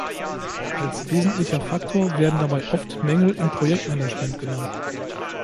Als wesentlicher Faktor werden dabei oft Mängel im Projektmanagement genannt.